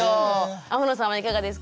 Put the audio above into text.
天野さんはいかがですか？